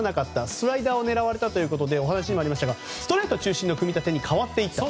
スライダーを狙われたということでお話にもありましたがストレート中心の組み立てに変わっていったと。